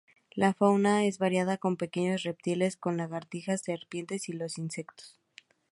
La fauna es variada con pequeños reptiles, como lagartijas, serpiente y los insectos.